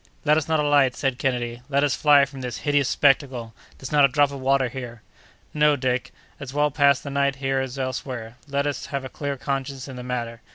"Let us not alight!" said Kennedy, "let us fly from this hideous spectacle! There's not a drop of water here!" "No, Dick, as well pass the night here as elsewhere; let us have a clear conscience in the matter.